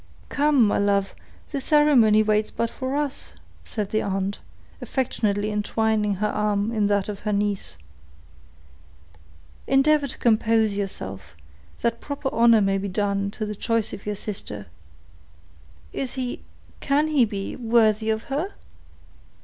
"Come, my love, the ceremony waits but for us," said the aunt, affectionately entwining her arm in that of her niece. "Endeavor to compose yourself, that proper honor may be done to the choice of your sister." "Is he—can he be, worthy of her?"